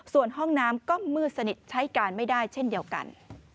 ส่วนห้องน้ำก็มืดสนิทใช้การไม่ได้เช่นเดียวกัน